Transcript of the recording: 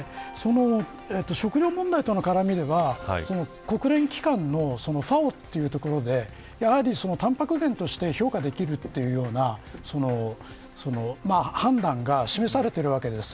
食糧問題との絡みでは国連機関のＦＡＯという所でタンパク源として評価できるというような判断が示されているわけです。